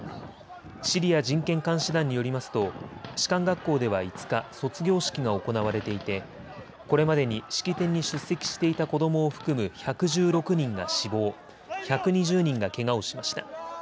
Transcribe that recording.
シリア人権監視団によりますと士官学校では５日、卒業式が行われていてこれまでに式典に出席していた子どもを含む１１６人が死亡、１２０人がけがをしました。